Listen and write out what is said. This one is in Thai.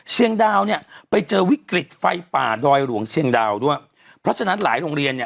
ดาวเนี่ยไปเจอวิกฤตไฟป่าดอยหลวงเชียงดาวด้วยเพราะฉะนั้นหลายโรงเรียนเนี่ย